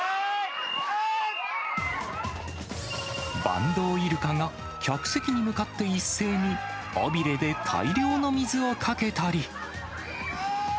バンドウイルカが客席に向かって一斉に尾びれで大量の水をかけたり。